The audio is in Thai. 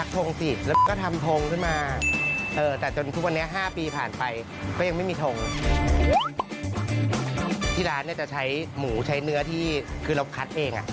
ที่ร้านจะใช้หมูใช้เนื้อที่คือเราคัดเอง